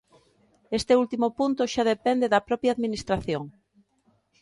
Este último punto xa depende da propia Administración.